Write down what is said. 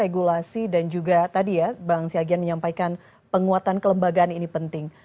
regulasi dan juga tadi ya bang siagian menyampaikan penguatan kelembagaan ini penting